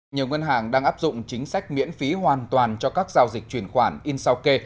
nhiều ngân hàng đang áp dụng chính sách miễn phí hoàn toàn cho các giao dịch truyền khoản in sau kê